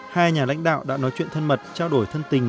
hai nhà lãnh đạo đã nói chuyện thân mật trao đổi thân tình